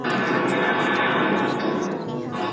لوستل د فکر پراخوالی زیاتوي او د ذهن خلاقيت رامنځته کوي.